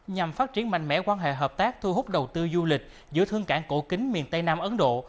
nhằm phát triển mạnh mẽ quan hệ hợp tác thu hút đầu tư du lịch giữa thương cảng cổ kính miền tây nam ấn độ